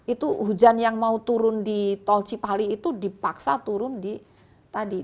itu hujan yang mau turun di tol cipali itu dipaksa turun di tadi